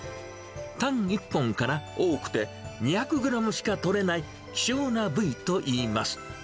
タン一本から、多くて２００グラムしか取れない希少な部位といいます。